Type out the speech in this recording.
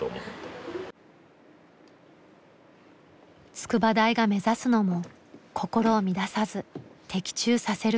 筑波大が目指すのも心を乱さず的中させる弓道。